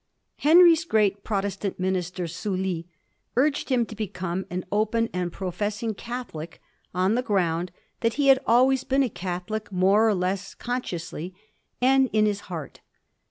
Henry's great Protestant minister, Sully, urged him to become an open and professing Catholic on the ground that he had always been a Catholic more or less consciously, and in his heart.